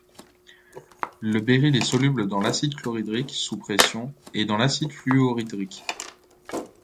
Le béryl est soluble dans l'acide chlorhydrique sous pression et dans l'acide fluorhydrique.